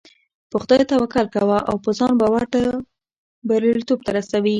په خدای توکل کوه او په ځان باور تا برياليتوب ته رسوي .